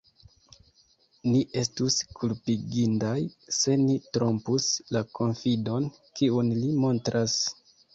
Ni estus kulpigindaj, se ni trompus la konfidon, kiun li montras.